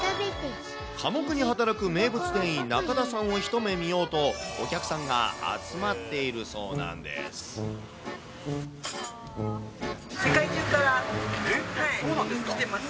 寡黙に働く名物店員、なかださんを一目見ようと、お客さんが世界中から来てます。